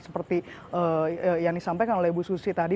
seperti yang disampaikan oleh ibu susi tadi